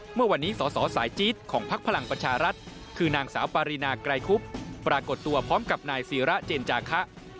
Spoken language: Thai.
เมื่อวันนี้สสสายจี๊ดของพักพลังประชารัฐคือนางสาวปารีนาไกรคุบปรากฏตัวพร้อมกับนายศิระเจนจาคะ